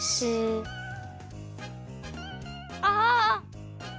ああ。